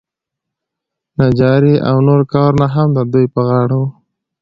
نجاري او نور کارونه هم د دوی په غاړه وو.